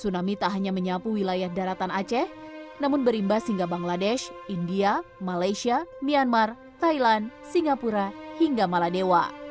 tsunami tak hanya menyapu wilayah daratan aceh namun berimbas hingga bangladesh india malaysia myanmar thailand singapura hingga maladewa